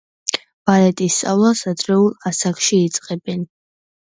ბალეტის სწავლას ადრეულ ასაკში იწყებენ.